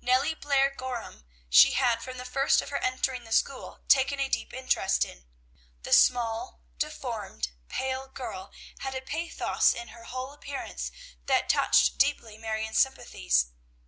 Nellie Blair Gorham she had from the first of her entering the school taken a deep interest in. The small, deformed, pale girl had a pathos in her whole appearance that touched deeply Marion's sympathies.